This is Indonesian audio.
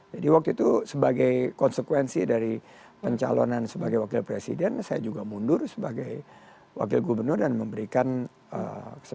jadi waktu itu sebagai konsekuensi dari pencalonan sebagai wakil presiden saya juga mundur sebagai wakil gubernur dan memberikan kesempatan kepada pks untuk menggantikan kadernya menggantikan saya